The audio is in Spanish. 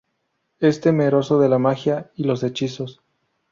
Es temeroso de la magia y los hechizos.